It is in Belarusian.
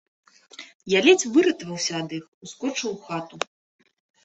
Я ледзь выратаваўся ад іх, ускочыў у хату.